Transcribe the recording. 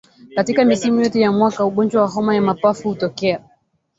Katika misimu yote ya mwaka ugonjwa wa homa ya mapafu hutokea